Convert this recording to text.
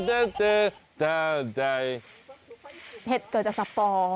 เห็ดเกิดจากสปอ